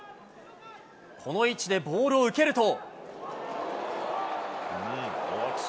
この位置でボールを蹴ると。